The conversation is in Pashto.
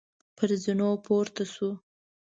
پر زینو پورته شوو.